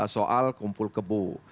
soal kumpul kebu